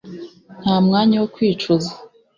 nta mwanya wo kwicuza.